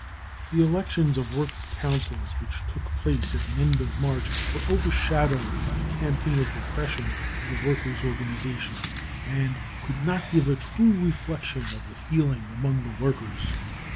The elections of works councils which took place at the end of March were overshadowed by the campaign of re pression of the workers' organisations, and could not give a true reflection of the feeling among the workers.